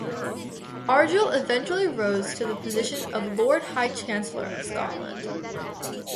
Argyll eventually rose to the position of Lord High Chancellor of Scotland.